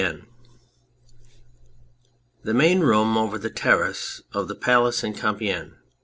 204 [The Main Room over the Terrace of Ike Palace in Compicgne.